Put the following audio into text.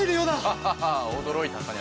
ハハハおどろいたかね